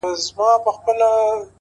د سرو شرابو د خُمونو د غوغا لوري-